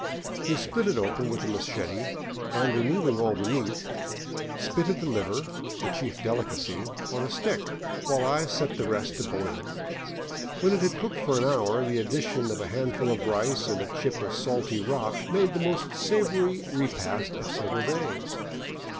He split it open with a machete and, removing all the meat, spitted the liver, the chief delicacy, on a stick, while I set the rest to boiling. When it had cooked for an hour, the addition of a handful of rice and a chip 570 LIFE IN THE BOLIVIAN WILDERNESS of salty rock made the most savory repast of several days.